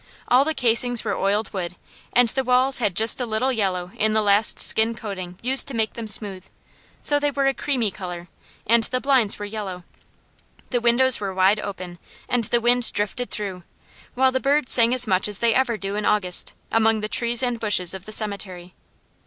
All the casings were oiled wood, and the walls had just a little yellow in the last skin coating used to make them smooth, so they were a creamy colour, and the blinds were yellow. The windows were wide open and the wind drifted through, while the birds sang as much as they ever do in August, among the trees and bushes of the cemetery.